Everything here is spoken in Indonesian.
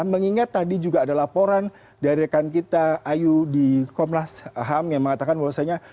mengingat tadi juga ada laporan dari rekan kita ayu di komnas ham yang mengatakan bahwasanya